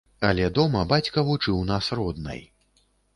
Але дома бацька вучыў нас роднай.